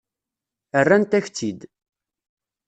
Rrant-ak-tt-id.